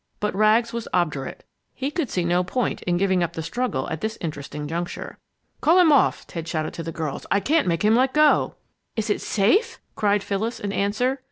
But Rags was obdurate. He could see no point in giving up the struggle at this interesting juncture. "Call him off!" Ted shouted to the girls, "I can't make him let go!" "Is it safe?" cried Phyllis, in answer.